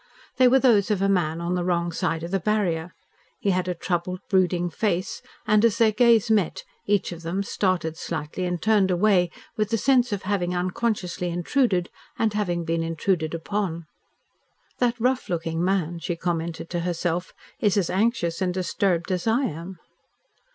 They were those of a man on the wrong side of the barrier. He had a troubled, brooding face, and, as their gaze met, each of them started slightly and turned away with the sense of having unconsciously intruded and having been intruded upon. "That rough looking man," she commented to herself, "is as anxious and disturbed as I am."